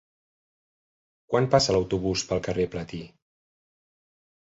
Quan passa l'autobús pel carrer Platí?